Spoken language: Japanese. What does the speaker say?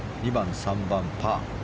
２番、３番、パー。